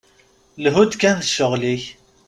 Lhu-d kan d ccɣel-ik!